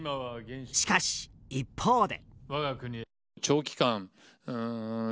しかし一方で。